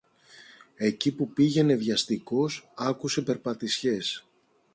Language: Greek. Εκεί που πήγαινε βιαστικός, άκουσε περπατησιές.